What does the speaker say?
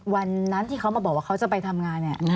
วันนั้นที่เขามาบอกว่าเขาจะไปทำงานเนี่ย